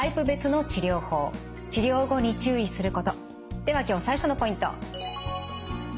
では今日最初のポイント。